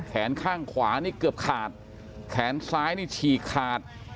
แขนข้างขวานี่เกือบขาดแขนซ้ายนี่ฉีกขาด